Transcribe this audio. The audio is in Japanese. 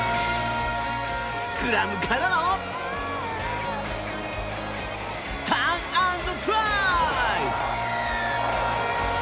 スクラムからのターン＆トライ！